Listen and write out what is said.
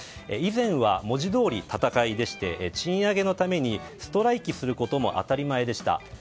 以前は文字どおり戦いでして賃上げのためにストライキすることも当たり前でした。